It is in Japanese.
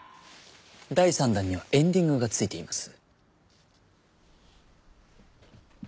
第３弾にはエンディングがついています。